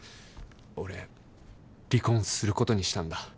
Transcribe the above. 俺離婚することにしたんだ。